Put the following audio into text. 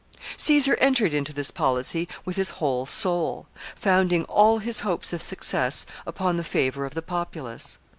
[Sidenote: His success.] Caesar entered into this policy with his whole soul, founding all his hopes of success upon the favor of the populace.